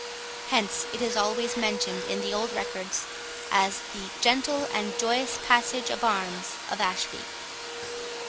Hence it is always mentioned in the old records, as the Gentle and Joyous Passage of Arms of Ashby.